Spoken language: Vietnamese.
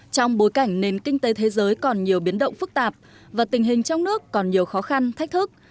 trong bối cảnh nền kinh tế thế giới còn nhiều biến động phức tạp và tình hình trong nước còn nhiều khó khăn thách thức